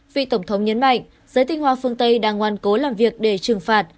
vị tổng thống nhấn mạnh giới tinh hoa phương tây đang ngoan cố làm việc để trừng phạt